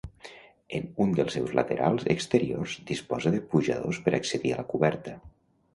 En un dels seus laterals exteriors disposa de pujadors per accedir a la coberta.